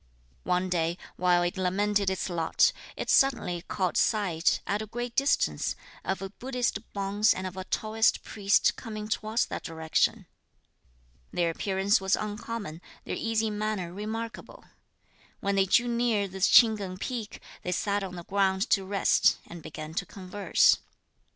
One day, while it lamented its lot, it suddenly caught sight, at a great distance, of a Buddhist bonze and of a Taoist priest coming towards that direction. Their appearance was uncommon, their easy manner remarkable. When they drew near this Ch'ing Keng peak, they sat on the ground to rest, and began to converse.